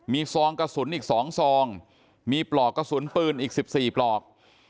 มีซองกระสุนอีก๒ซองมีปลอกกระสุนปืนอีก๑๔ปลอก